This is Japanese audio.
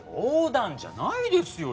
冗談じゃないですよ！